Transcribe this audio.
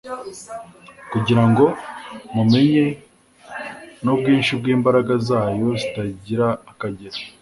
"kugira ngo mumenye n'ubwinshi bw'imbaraga zayo zitagira akagero."